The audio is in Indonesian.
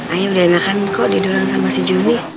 ayah udah enakan kok didorong sama si joni